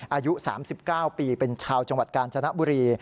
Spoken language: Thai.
อายุ๓๙ปีเป็นชาวจังหวัดกาญจนบุรี